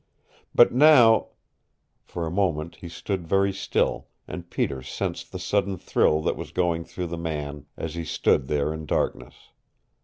But now " For a moment he stood very still, and Peter sensed the sudden thrill that was going through the man as he stood there in darkness.